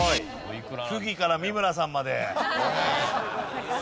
溥儀から三村さんまで。